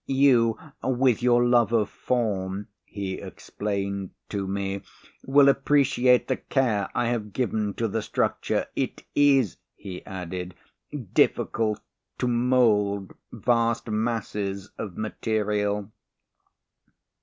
"You with your love of form," he explained to me, "will appreciate the care I have given to the structure. It is," he added, "difficult to mould vast masses of material."